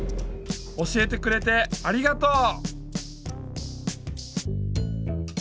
教えてくれてありがとう。